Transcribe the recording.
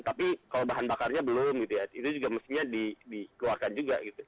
tapi kalau bahan bakarnya belum gitu ya itu juga mestinya dikeluarkan juga gitu